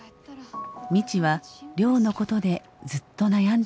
未知は亮のことでずっと悩んでいました。